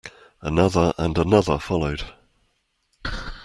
Another and another followed.